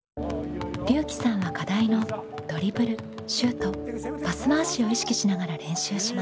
りゅうきさんは課題のドリブルシュートパス回しを意識しながら練習します。